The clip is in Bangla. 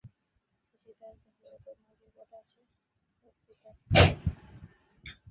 সুচরিতা কহিল, তোমার যে পড়া আছে বক্তিয়ার!